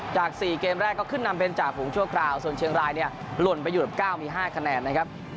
จาก๔เกมแรกก็ขึ้นนำเป็นจ่าฝูงชั่วคราวส่วนเชียงรายเนี่ยหล่นไปอยู่กับ๙มี๕คะแนนนะครับ